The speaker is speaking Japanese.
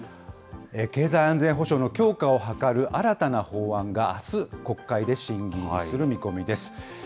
経済安全保障の強化を図る新たな法案があす、国会で審議入りする見込みです。